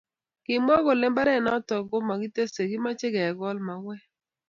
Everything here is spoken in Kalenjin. kimwa kole mbaret noton ko makitese kimache ke gol mauek